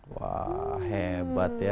wah hebat ya